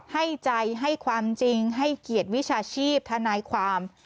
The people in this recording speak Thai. ให้ใจให้ความจริงให้เกียรติวิชาชีพทนายความ